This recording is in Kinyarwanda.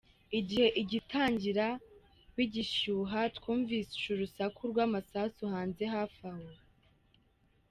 Igihe igitangira bigishyuha, twumvise urusaku rw’amasasu hanze hafi aho.